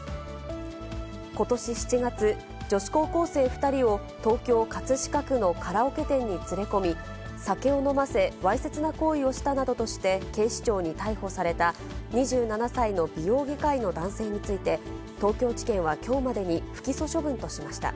ことし７月、女子高校生２人を東京・葛飾区のカラオケ店に連れ込み、酒を飲ませわいせつな行為をしたなどとして、警視庁に逮捕された、２７歳の美容外科医の男性について、東京地検はきょうまでに不起訴処分としました。